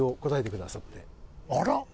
あら！